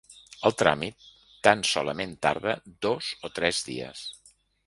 El tràmit tan solament tarda dos o tres dies.